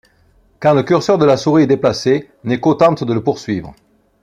Quand le curseur de la souris est déplacé, Neko tente de le poursuivre.